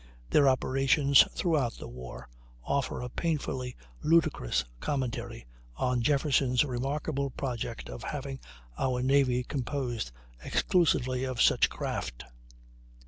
Their operations throughout the war offer a painfully ludicrous commentary on Jefferson's remarkable project of having our navy composed exclusively of such craft.